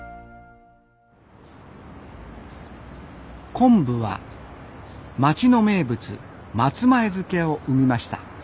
昆布は町の名物松前漬を生みました。